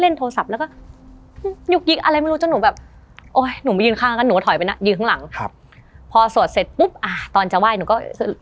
นี่ก็มาเล่นโทรศัพท์แล้วก็